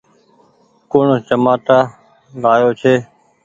ڪوڻ چمآٽآ لآيو ڇي۔